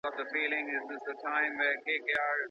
شرعیاتو پوهنځۍ په اسانۍ سره نه منظوریږي.